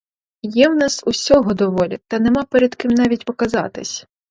Є в нас усього доволі, та нема перед ким навіть показатись!